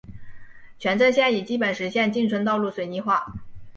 全镇现已基本实现进村道路水泥化。